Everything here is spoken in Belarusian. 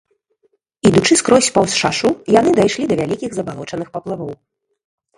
Ідучы скрозь паўз шашу, яны дайшлі да вялікіх забалочаных паплавоў.